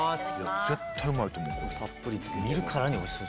絶対うまいと思う。